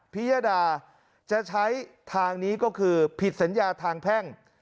พิยดาจะใช้ทางนี้ก็คือผิดสัญญาทางแพ่ง